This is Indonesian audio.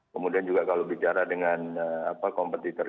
kemudian juga kalau bicara dengan kompetitor